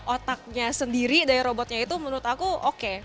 otaknya sendiri dari robotnya itu menurut aku oke